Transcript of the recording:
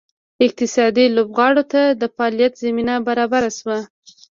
اقتصادي لوبغاړو ته د فعالیت زمینه برابره شوه.